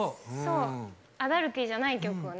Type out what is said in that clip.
アダルティーじゃない曲をね。